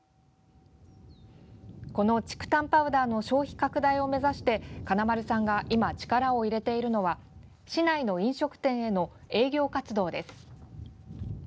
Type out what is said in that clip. この竹炭パウダーの消費拡大を目指して金丸さんが今力を入れているのは市内の飲食店への営業活動です。